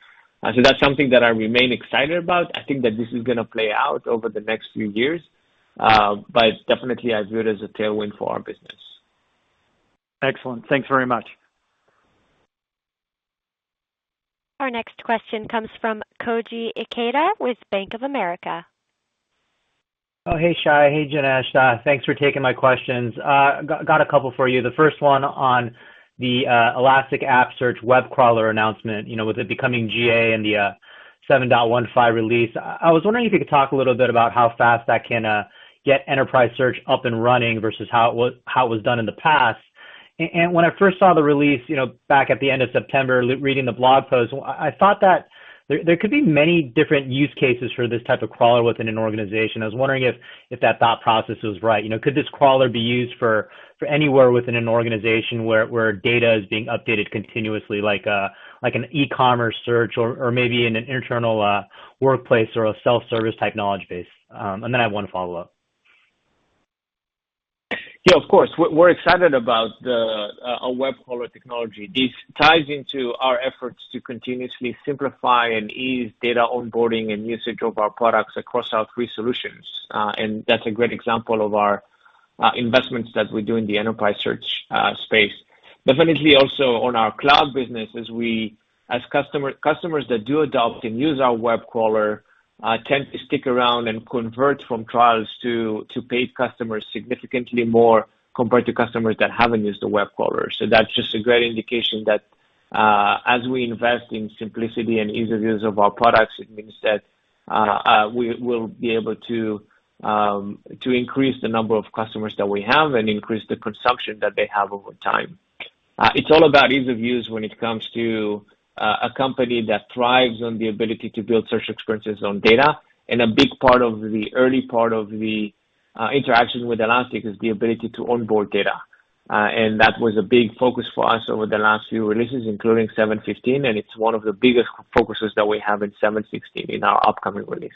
That's something that I remain excited about. I think that this is gonna play out over the next few years, but it's definitely a good tailwind for our business. Excellent. Thanks very much. Our next question comes from Koji Ikeda with Bank of America. Hey, Shay. Hey, Janesh. Thanks for taking my questions. Got a couple for you. The first one on the Elastic App Search web crawler announcement, you know, with it becoming GA and the 7.1.5 release. I was wondering if you could talk a little bit about how fast that can get enterprise search up and running versus how it was done in the past. When I first saw the release, you know, back at the end of September, reading the blog post, I thought that there could be many different use cases for this type of crawler within an organization. I was wondering if that thought process was right. You know, could this crawler be used for anywhere within an organization where data is being updated continuously like an e-commerce search or maybe in an internal workplace or a self-service type knowledge base. I have one follow up. Yeah, of course. We're excited about our web crawler technology. This ties into our efforts to continuously simplify and ease data onboarding and usage of our products across our three solutions. That's a great example of our investments that we do in the enterprise search space. Definitely, also on our cloud business, as customers that do adopt and use our web crawler tend to stick around and convert from trials to paid customers significantly more compared to customers that haven't used the web crawler. That's just a great indication that as we invest in simplicity and ease of use of our products, it means that we will be able to increase the number of customers that we have and increase the consumption that they have over time. It's all about ease of use when it comes to a company that thrives on the ability to build search experiences on data. A big part of the early part of the interaction with Elastic is the ability to onboard data. That was a big focus for us over the last few releases, including 7.15, and it's one of the biggest focuses that we have in 7.16, in our upcoming release.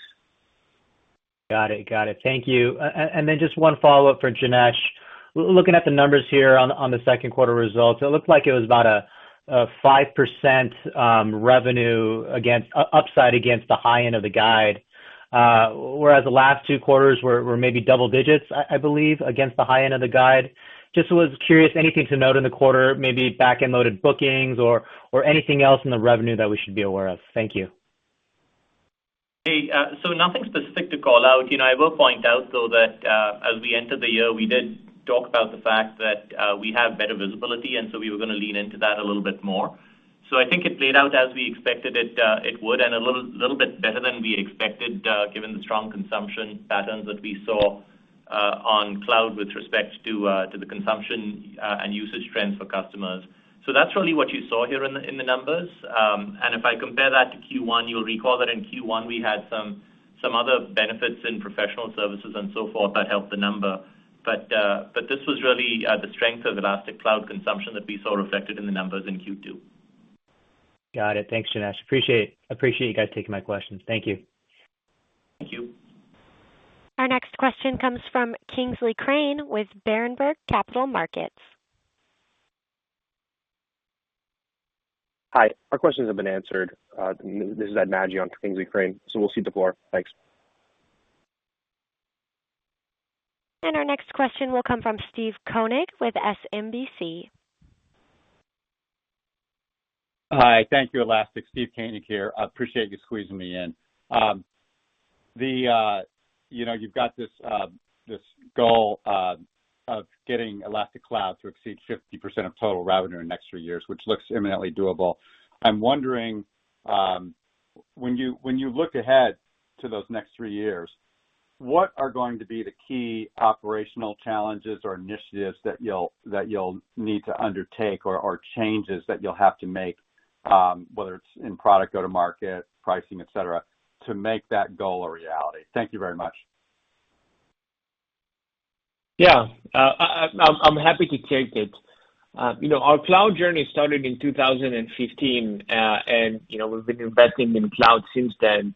Got it. Thank you. Just one follow-up for Janesh. Looking at the numbers here on the second quarter results, it looked like it was about a 5% revenue upside against the high end of the guide. Whereas the last two quarters were maybe double digits, I believe, against the high end of the guide. I was just curious, anything to note in the quarter, maybe back-end loaded bookings or anything else in the revenue that we should be aware of? Thank you. Hey, nothing specific to call out. You know, I will point out, though, that as we enter the year, we did talk about the fact that we have better visibility, and so we were gonna lean into that a little bit more. I think it played out as we expected it would, and a little bit better than we expected, given the strong consumption patterns that we saw on cloud with respect to the consumption and usage trends for customers. That's really what you saw here in the numbers. If I compare that to Q1, you'll recall that in Q1 we had some other benefits in professional services and so forth that helped the number. This was really the strength of Elastic Cloud consumption that we saw reflected in the numbers in Q2. Got it. Thanks, Janesh. Appreciate you guys taking my questions. Thank you. Thank you. Our next question comes from Kingsley Crane with Berenberg Capital Markets. Hi, our questions have been answered. This is Ed Maguire on for Kingsley Crane, so we'll cede the floor. Thanks. Our next question will come from Steve Koenig with SMBC. Hi. Thank you, Elastic. Steve Koenig here. I appreciate you squeezing me in. You know, you've got this goal of getting Elastic Cloud to exceed 50% of total revenue in the next three years, which looks eminently doable. I'm wondering, When you look ahead to those next three years, what are going to be the key operational challenges or initiatives that you'll need to undertake or changes that you'll have to make, whether it's in product go-to-market, pricing, et cetera, to make that goal a reality? Thank you very much. Yeah. I'm happy to take it. You know, our cloud journey started in 2015. You know, we've been investing in cloud since then.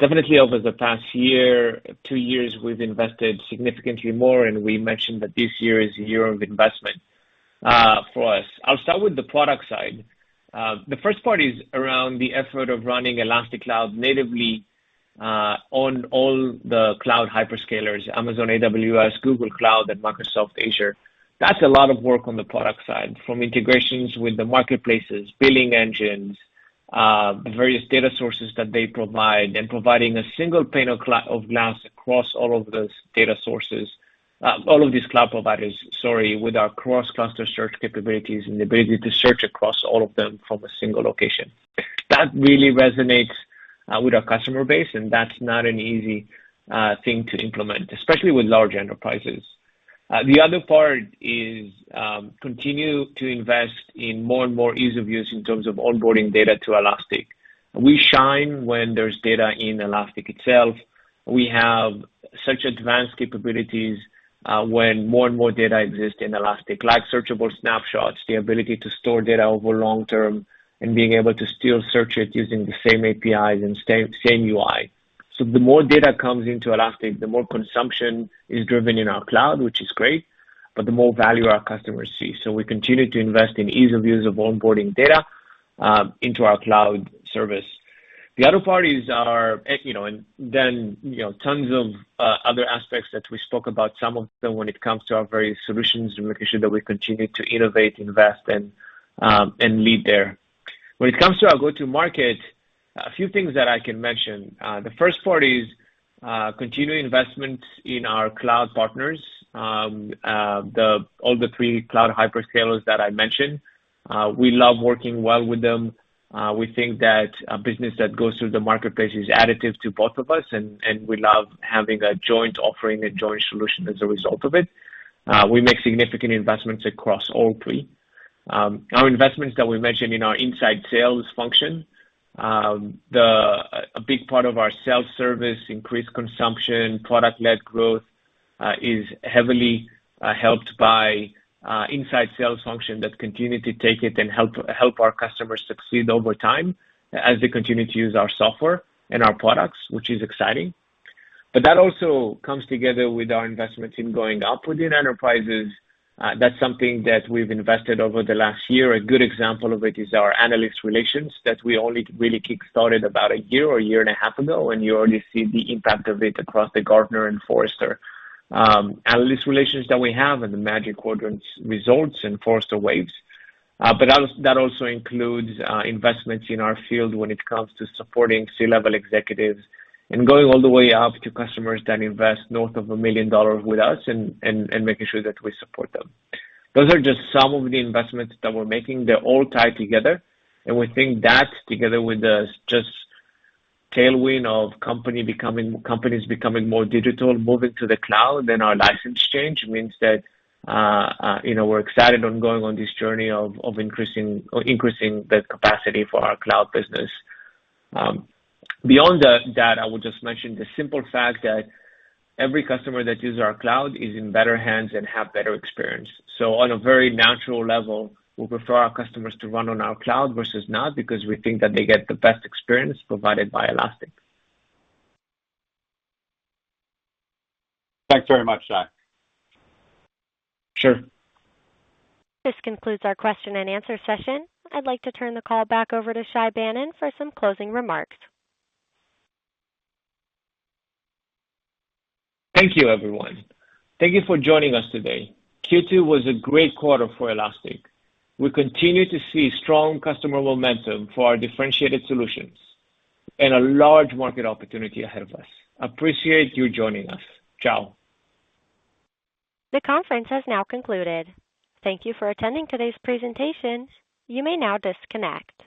Definitely over the past year, two years, we've invested significantly more, and we mentioned that this year is a year of investment for us. I'll start with the product side. The first part is around the effort of running Elastic Cloud natively on all the cloud hyperscalers, Amazon AWS, Google Cloud, and Microsoft Azure. That's a lot of work on the product side, from integrations with the marketplaces, billing engines, the various data sources that they provide, and providing a single pane of glass across all of those data sources. All of these cloud providers, sorry, with our cross-cluster search capabilities and the ability to search across all of them from a single location. That really resonates with our customer base, and that's not an easy thing to implement, especially with large enterprises. The other part is continue to invest in more and more ease of use in terms of onboarding data to Elastic. We shine when there's data in Elastic itself. We have such advanced capabilities when more and more data exists in Elastic, like searchable snapshots, the ability to store data over long term and being able to still search it using the same APIs and same UI. The more data comes into Elastic, the more consumption is driven in our cloud, which is great, but the more value our customers see. We continue to invest in ease of use of onboarding data into our cloud service. The other part is, you know, and then, you know, tons of other aspects that we spoke about, some of them when it comes to our security solutions and making sure that we continue to innovate, invest and lead there. When it comes to our go-to-market, a few things that I can mention. The first part is continuing investment in our cloud partners. All the three cloud hyperscalers that I mentioned. We love working well with them. We think that a business that goes through the marketplace is additive to both of us, and we love having a joint offering, a joint solution as a result of it. We make significant investments across all three. Our investments that we mentioned in our inside sales function. A big part of our self-service, increased consumption, product-led growth, is heavily helped by inside sales function that continues to take it and help our customers succeed over time as they continue to use our software and our products, which is exciting. That also comes together with our investments in going up within enterprises. That's something that we've invested over the last year. A good example of it is our analyst relations that we only really kickstarted about a year or a year and a half ago, and you already see the impact of it across the Gartner and Forrester analyst relations that we have and the Magic Quadrant results in Forrester Waves. That also includes investments in our field when it comes to supporting C-level executives and going all the way up to customers that invest north of $1 million with us and making sure that we support them. Those are just some of the investments that we're making. They all tie together, and we think that together with the just tailwind of companies becoming more digital, moving to the cloud and our license change means that, you know, we're excited about going on this journey of increasing the capacity for our cloud business. Beyond that, I would just mention the simple fact that every customer that uses our cloud is in better hands and have better experience. On a very natural level, we prefer our customers to run on our cloud versus not, because we think that they get the best experience provided by Elastic. Thanks very much, Shay. Sure. This concludes our question and answer session. I'd like to turn the call back over to Shay Banon for some closing remarks. Thank you, everyone. Thank you for joining us today. Q2 was a great quarter for Elastic. We continue to see strong customer momentum for our differentiated solutions and a large market opportunity ahead of us. Appreciate you joining us. Ciao. The conference has now concluded. Thank you for attending today's presentation. You may now disconnect.